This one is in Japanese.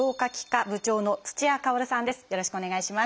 よろしくお願いします。